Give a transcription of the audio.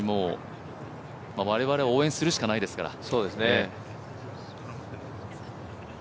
我々は応援するしかないですから。